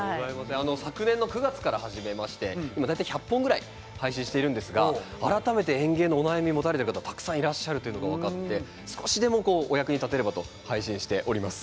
昨年の９月から始めまして大体１００本ぐらい配信しているんですが改めて園芸のお悩みを持たれている方がたくさんいらっしゃると分かって少しでも役に立てればと配信しております。